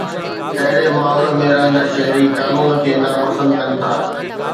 اهڙي ماحول ۾ رهندڙ شهري قانون کي ناپسند ڪن ٿا